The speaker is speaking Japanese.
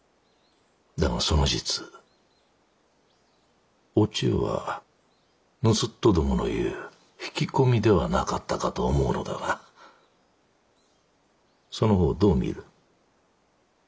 だがその実お千代は盗人どものいう引き込みではなかったかと思うのだがその方どう見る？